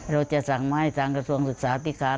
เราจะสั่งมาให้ทางกระทรวงศึกษาธิการ